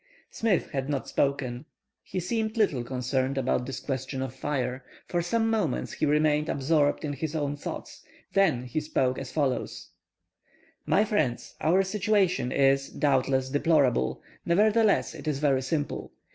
Smith had not spoken. He seemed little concerned about this question of fire. For some moments he remained absorbed in his own thoughts. Then he spoke as follows:— "My friends, our situation is, doubtless, deplorable, nevertheless it is very simple.